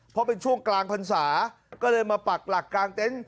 เพราะเป็นช่วงกลางพรรษาก็เลยมาปักหลักกลางเต็นต์